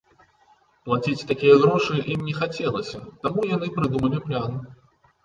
Плаціць такія грошы ім не хацелася, таму яны прыдумалі план.